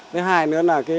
thứ hai nữa là cái